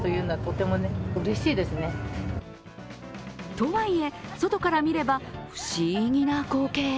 とはいえ、外から見れば不思議な光景。